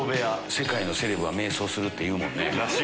世界のセレブは瞑想するっていうもんね。